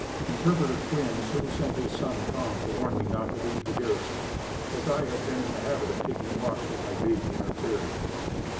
Interpreter Quinn soon sent his son, Tom, to warn me not to leave the garrison as I had been in the habit of taking walks with my baby in her carriage.